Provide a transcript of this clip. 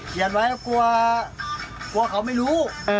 เขียนไว้เพราะกลัวเขาไม่รู้